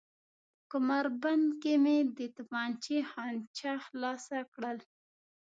په کمربند کې مې د تومانچې خانچه خلاصه کړل.